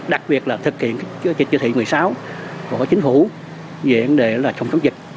đặc biệt là thực hiện chữ thị một mươi sáu của chính phủ về vấn đề chống chống dịch